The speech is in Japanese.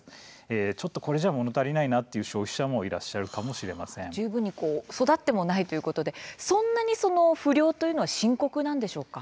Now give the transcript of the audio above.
ちょっとこれじゃもの足りないという消費者も十分にも育っていないということでそんなに不漁というのは深刻なんでしょうか。